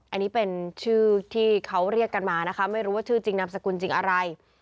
อันนี้เป็นชื่อที่เขาเรียกกันมานะคะไม่รู้ว่าชื่อจริงนามสกุลจริงอะไร